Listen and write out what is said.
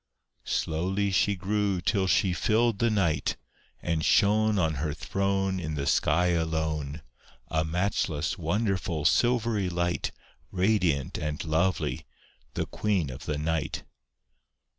Slowly she grew till she filled the night, And shone On her throne In the sky alone, A matchless, wonderful, silvery light, Radiant and lovely, the Queen of the night.